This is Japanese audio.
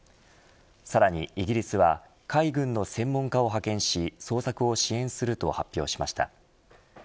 さらにイギリスは海軍の専門家を派遣し捜索を支援すると発表しました。